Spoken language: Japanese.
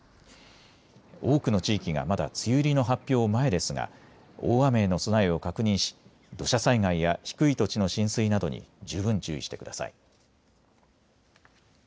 多くの地域がまだ梅雨入りの発表前ですが大雨への備えを確認し土砂災害や低い土地の浸水などに十分注意してください。